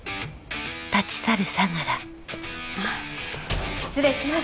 あっ失礼します。